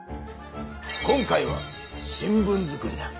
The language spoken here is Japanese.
今回は新聞作りだ。